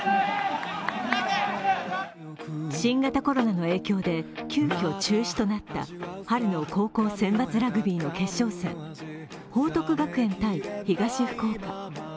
新型コロナの影響で急きょ中止となった春の高校選抜ラグビーの決勝戦、報徳学園×東福岡。